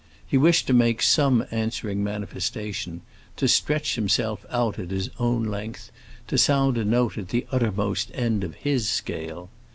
He wished to make some answering manifestation, to stretch himself out at his own length, to sound a note at the uttermost end of his scale.